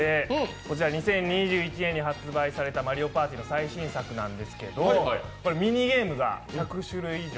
２０２１年に発売された「マリオパーティ」の最新作なんですけどミニゲームが１００種類以上。